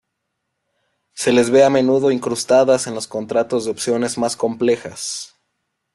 Se les ve a menudo incrustadas en los contratos de opciones más complejas.